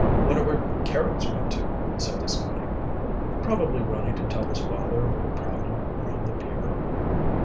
"Wonder where Carrots went to?" he said to Scotty. "Probably running to tell his father we're prowling around the pier."